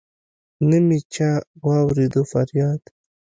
نه مي چا واوريد فرياد